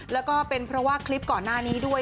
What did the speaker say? แล้วก็เป็นเพราะว่าคลิปก่อนหน้านี้ด้วย